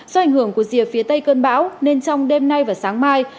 do ảnh hưởng của rìa phía tây cơn bão nên trong đêm nay và sáng mai